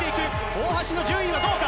大橋の順位はどうか？